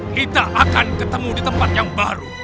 kita akan ketemu di tempat yang baru